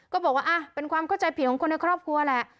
ก็บอกว่าเป็นความเข้าใจผิดของคนในครอบครัวแหละ